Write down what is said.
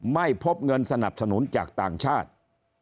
ไม่พบเงินสนับสนุนจากต่างชาติ